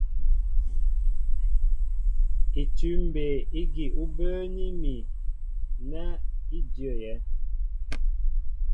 Itʉ̂m mbey ígi ú bə́ə́ní mi nɛ í ndyə́yɛ́.